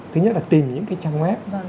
thứ nhất là tìm những cái trang web